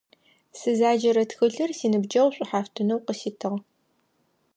Сызаджэрэ тхылъыр синыбджэгъу шӀухьафтынэу къыситыгъ.